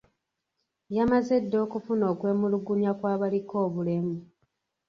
Yamaze dda okufuna okwemulugunya kw'abaliko obulemu